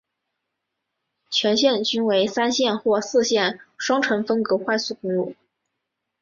全线均为三线或四线双程分隔快速公路。